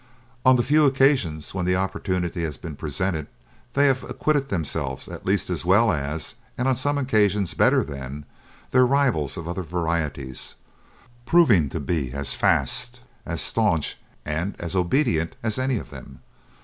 On the few occasions when the opportunity has been presented they have acquitted themselves at least as well as, and on some occasions better than, their rivals of other varieties, proving to be as fast, as staunch, and as obedient as any of them.